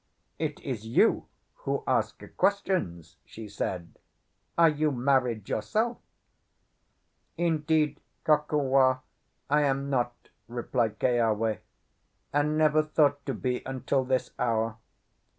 "It is you who ask questions," she said. "Are you married yourself?" "Indeed, Kokua, I am not," replied Keawe, "and never thought to be until this hour.